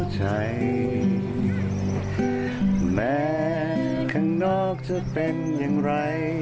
ไปฟังคลิปเต็มเนาะ